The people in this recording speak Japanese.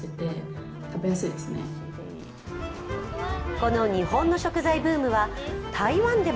この日本の食材ブームは台湾でも。